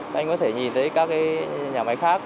các anh có thể nhìn thấy các nhà máy khác